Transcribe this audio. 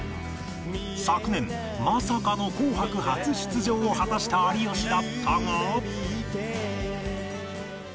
昨年まさかの『紅白』初出場を果たした有吉だったが